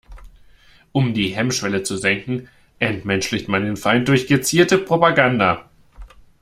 Um die Hemmschwelle zu senken, entmenschlicht man den Feind durch gezielte Propaganda.